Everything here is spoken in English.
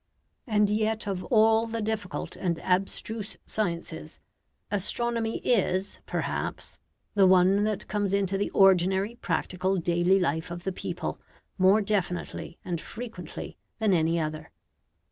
And yet of all the difficult and abstruse sciences, astronomy is, perhaps, the one that comes into the ordinary practical daily life of the people more definitely and frequently than any other.